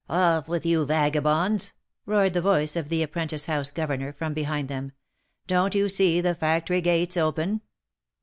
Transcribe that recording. " Off with you, vagabonds !" roared the voice of the apprentice house governor, from behind them. " Don't you see the factory gates open